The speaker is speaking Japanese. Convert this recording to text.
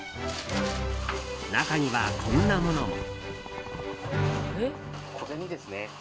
中には、こんなものも。